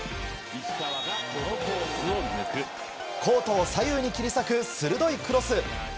コートを左右に切り裂く鋭いクロス。